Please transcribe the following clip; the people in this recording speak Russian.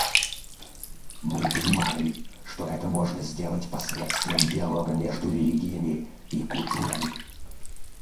Мы понимали, что это можно сделать посредством диалога между религиями и культурами.